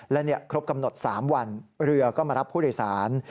และครบกำหนด๓วันเรือก็มารับผู้โดยสาร